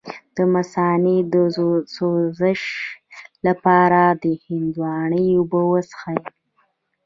د مثانې د سوزش لپاره د هندواڼې اوبه وڅښئ